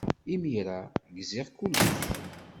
Imir-a, gziɣ kullec.